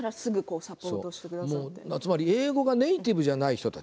つまり英語がネイティブじゃない人たち